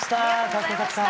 かっこよかった。